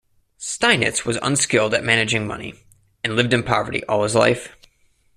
Steinitz was unskilled at managing money, and lived in poverty all his life.